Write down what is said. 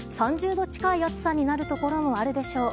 ３０度近い暑さになるところもあるでしょう。